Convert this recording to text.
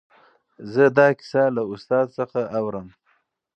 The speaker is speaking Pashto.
زه دا کیسه له استاد څخه اورم.